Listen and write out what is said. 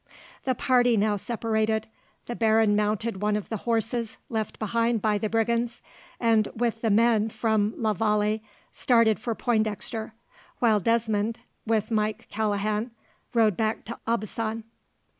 The party now separated. The baron mounted one of the horses left behind by the brigands, and with the men from la Vallee started for Pointdexter; while Desmond, with Mike Callaghan, rode back to Aubusson.